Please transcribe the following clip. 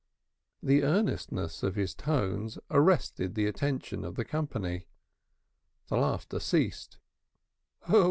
The earnestness of his tones arrested the attention of the company. The laughter ceased.